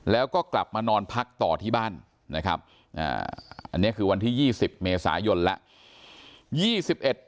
แล้วก็กลับมานอนพักต่อที่บ้านนะครับอันนี้คือวันที่๒๐เมษายนแล้ว